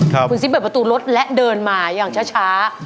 คุณซิบเปิดประตูรถและเดินมาอย่างช้า